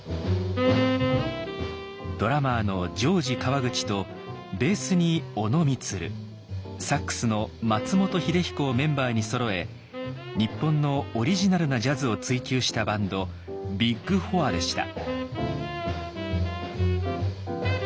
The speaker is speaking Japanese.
ドラマーのジョージ川口とベースに小野満サックスの松本英彦をメンバーにそろえ日本のオリジナルなジャズを追求したバンド「ビッグ・フォア」でした。